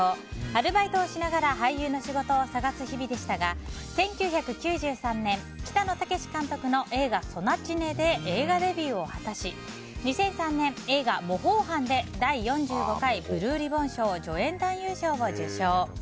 アルバイトをしながら俳優の仕事を探す日々でしたが１９９３年、北野武監督の映画「ソナチネ」で映画デビューを果たし２００３年、映画「模倣犯」で第４５回ブルーリボン賞助演男優賞を受賞。